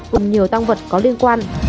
cùng nhiều tăng vật có liên quan